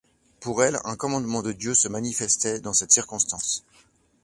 Pour elle, un commandement de Dieu se manifestait dans cette circonstance.